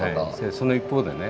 その一方でね